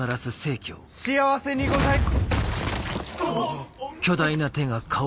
幸せにござい。